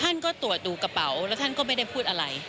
ท่านก็ตรวจดูกระเป๋าแล้วท่านก็ไม่ได้พูดอะไร